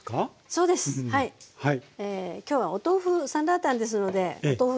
そうですねはい。